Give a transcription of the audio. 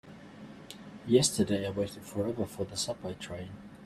Yesterday I waited forever for the subway train.